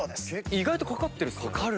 意外とかかってるんすね。